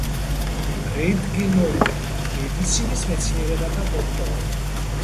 რენტგენოლოგი, მედიცინის მეცნიერებათა დოქტორი.